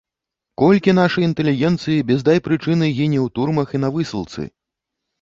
Колькі нашай інтэлігенцыі без дай прычыны гніе ў турмах і на высылцы!